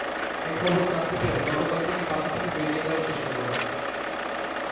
এ খবর জানতে পেরে গতকাল তিনি বাসা থেকে বেরিয়ে যাওয়ার চেষ্টা করেন।